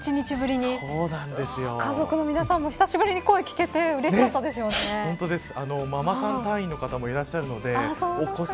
やっと１１日ぶりに家族の皆さんもひさしぶりに声聞けてうれしかったでしょうね。